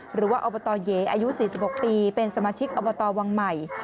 อบตเยอายุ๔๖ปีเป็นสมาชิกอบตวังใหม่